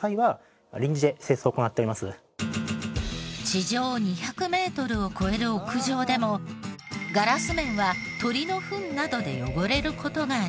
地上２００メートルを超える屋上でもガラス面は鳥のフンなどで汚れる事があります。